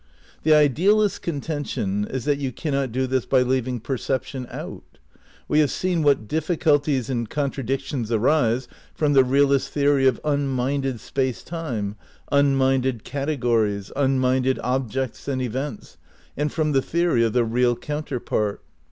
The idealist's contention is that you cannot do this by leaving perception out. We have seen what difficul ties and contradictions arise from the realist theory of unminded Space Time, unminded categories, un minded objects and events, and from the theory of the "real counterpart."